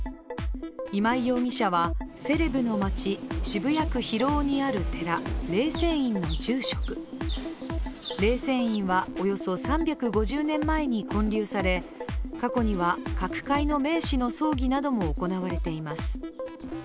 今井容疑者は、セレブの街、渋谷区広尾にある寺霊泉院の住職霊泉院はおよそ３５０年前に建立され過去には各界の名士の葬儀なども行われています。